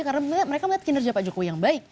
karena mereka melihat kinerja pak jokowi yang baik